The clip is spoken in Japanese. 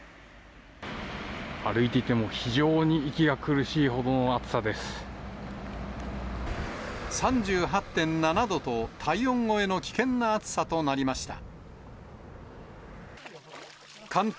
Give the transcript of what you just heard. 歩いていても、非常に息が苦３８．７度と、体温超えの危険な暑さとなりました。